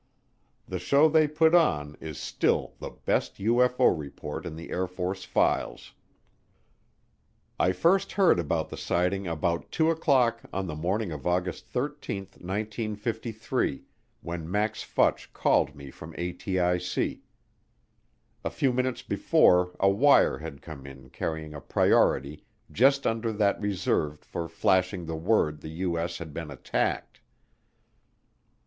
The show they put on is still the best UFO report in the Air Force files. I first heard about the sighting about two o'clock on the morning of August 13, 1953, when Max Futch called me from ATIC. A few minutes before a wire had come in carrying a priority just under that reserved for flashing the word the U.S. has been attacked.